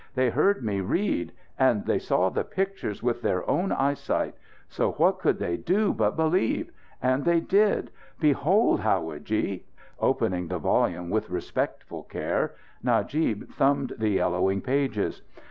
They heard me read. And they saw the pictures with their own eyesight. So what could they do but believe? And they did. Behold, howadji!" Opening the volume with respectful care, Najib thumbed the yellowing pages.